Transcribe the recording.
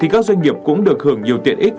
các doanh nghiệp cũng được hưởng nhiều tiện ích